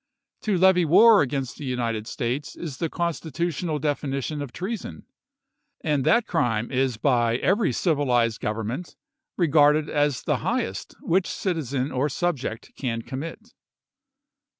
To levy war against the United States is the constitutional definition of treason, and that crime is by every civilized government regarded as the highest which citizen or subject can commit.